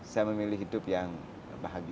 saya memilih hidup yang bahagia